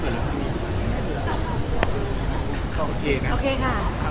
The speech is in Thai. เรียกดินแล้วไม่เหมือนกัน